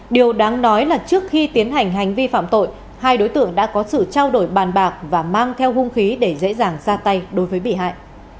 điều đáng nói là trước khi tiến hành hành vi phạm tội hai đối tượng đã có sự trao đổi bàn bạc và mang theo hung khí để dễ dàng ra tay đối với bị hại